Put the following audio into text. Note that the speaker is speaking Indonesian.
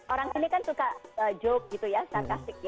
orang ini kan suka joke gitu ya sarkastik ya